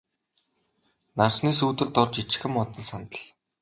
Нарсны сүүдэр дор жижигхэн модон сандал.